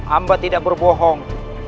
aku tidak berbohong